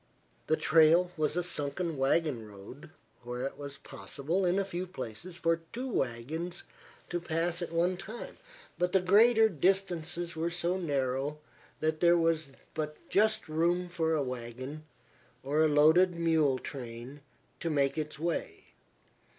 The trail was a sunken wagon road, where it was possible, in a few places, for two wagons to pass at one time, but the greater distances were so narrow that there was but just room for a wagon, or a loaded mule train, to make its way.